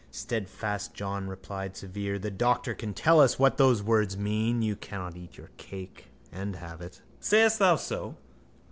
Steadfast John replied severe: —The doctor can tell us what those words mean. You cannot eat your cake and have it. Sayest thou so?